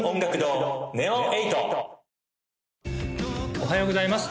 おはようございます